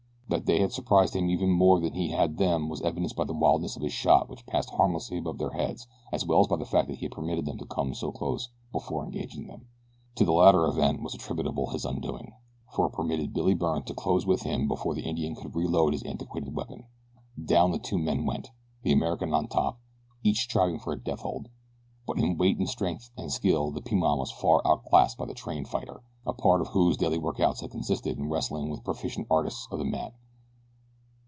That they had surprised him even more than he had them was evidenced by the wildness of his shot which passed harmlessly above their heads as well as by the fact that he had permitted them to come so close before engaging them. To the latter event was attributable his undoing, for it permitted Billy Byrne to close with him before the Indian could reload his antiquated weapon. Down the two men went, the American on top, each striving for a death hold; but in weight and strength and skill the Piman was far outclassed by the trained fighter, a part of whose daily workouts had consisted in wrestling with proficient artists of the mat.